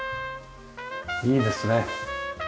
いいですね。